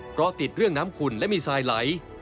เพราะติดเรื่องน้ำขุ่นและมีทรายไหล